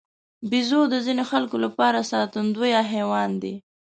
بیزو د ځینو خلکو لپاره ساتندوی حیوان دی.